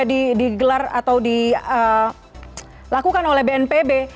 di halim yang juga digelar atau dilakukan oleh bnpb